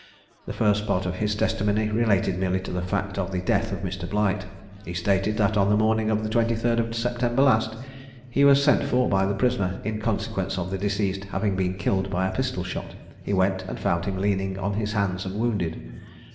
The first part of his testimony related merely to the fact of the death of Mr. Blight. He stated, that on the morning of the 23rd of September last, he was sent for by the prisoner, in consequence of the deceased having been killed by a pistol shot: he went, and found him leaning on his hands and wounded.